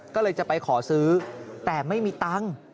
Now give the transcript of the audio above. ก็เลยจะไปขอซื้อแต่ไม่มีตังค์